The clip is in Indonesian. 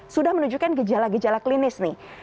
sudah menunjukkan gejala gejala klinis nih